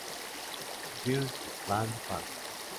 Girls Band Party!